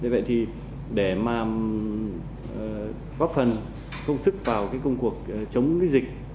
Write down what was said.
vậy thì để góp phần công sức vào công cuộc chống dịch